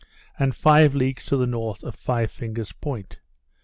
and five leagues to the north of Five Fingers Point.